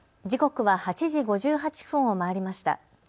時刻は８時５８分を回りました。